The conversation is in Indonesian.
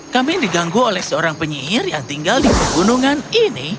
kami diganggu oleh seorang penyihir yang tinggal di pegunungan ini